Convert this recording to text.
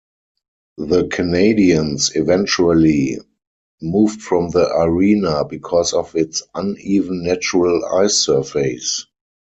The Canadiens eventually moved from the arena because of its uneven natural ice surface.